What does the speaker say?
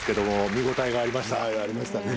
見応えありましたね。